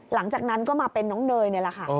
หลังจากนั้นก็มาเป็นน้องเนยนี่แหละค่ะ